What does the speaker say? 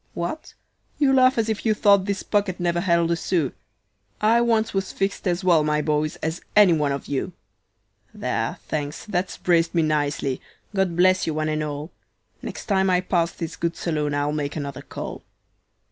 What? You laugh as if you thought this pocket never held a sou; I once was fixed as well, my boys, as any one of you. "There, thanks, that's braced me nicely; God bless you one and all; Next time I pass this good saloon I'll make another call.